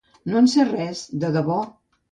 No en sé res, de debò.